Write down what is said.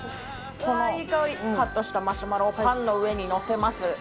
このカットしたマシュマロをパンの上にのせます。